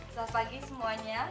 selamat pagi semuanya